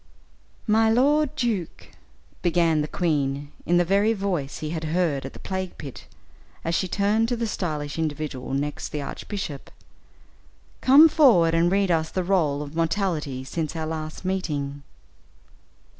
"My lord Duke," began the queen, in the very voice he had heard at the plague pit, as she turned to the stylish individual next the archbishop, "come forward and read us the roll of mortality since our last meeting."